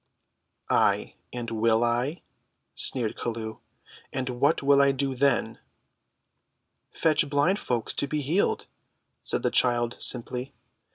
"Ay, and will I?" sneered Chelluh; "and what will I do then?" "Fetch blind folks to be healed," said the child simply.